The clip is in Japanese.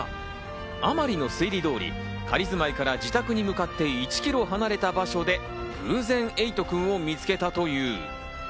甘利の推理通り、仮住まいから自宅に向かって１キロ離れた場所で偶然、エイトくんを見つけたという。